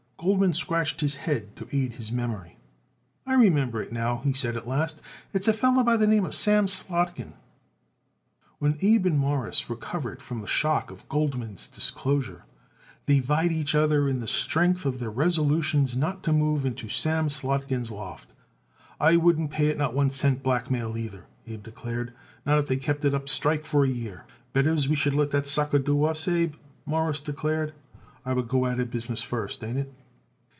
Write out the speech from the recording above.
Goldman scratched his head to aid his memory. "I remember it now," he said at last. "It's a feller by the name Sam Slotkin." When Abe and Morris recovered from the shock of Goldman's disclosure they vied with each other in the strength of their resolutions not to move into Sam Slotkin's loft. "I wouldn't pay it not one cent blackmail neither," Abe declared, "not if they kept it up the strike for a year." "Better as we should let that sucker do us, Abe," Morris declared, "I would go out of the business first; ain't it?"